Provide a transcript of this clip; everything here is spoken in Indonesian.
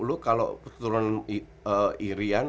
lu kalo keturunan irian